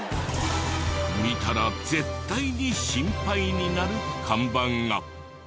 見たら絶対に心配になる看板が。